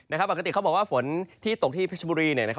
อาจารย์เขาบอกว่าฝนที่ตกที่เทชบุรี